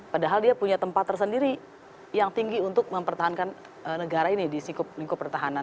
padahal dia punya tempat tersendiri yang tinggi untuk mempertahankan negara ini di lingkup pertahanan